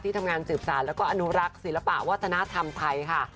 ทำงานสืบสารแล้วก็อนุรักษ์ศิลปะวัฒนธรรมไทยค่ะ